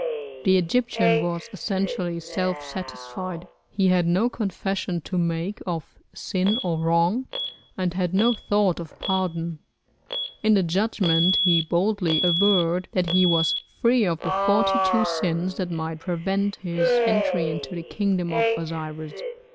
The Egyptian was essentially self satisfied, he had no confession to make of sin or wrong, and had no thought of pardon. In the judgment he boldly averred that he was free of the forty two sins that might prevent his entry into the kingdom of Osiris.